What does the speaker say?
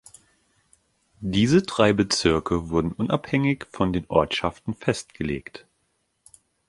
Diese drei Bezirke wurden unabhängig von den Ortschaften festgelegt.